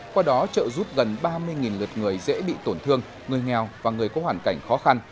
qua đó trợ giúp gần ba mươi lượt người dễ bị tổn thương người nghèo và người có hoàn cảnh khó khăn